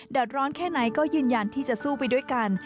ดร้อนแค่ไหนก็ยืนยันที่จะสู้ไปด้วยกัน